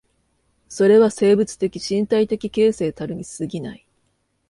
それは生物的身体的形成たるに過ぎない。